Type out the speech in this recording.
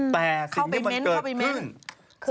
แต่สิ่งที่มันเกิดขึ้น